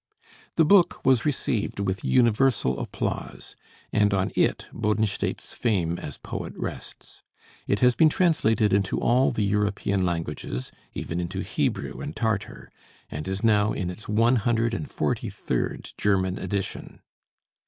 The book was received with universal applause, and on it Bodenstedt's fame as poet rests. It has been translated into all the European languages, even into Hebrew and Tartar, and is now in its one hundred and forty third German edition.